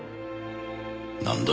なんだ？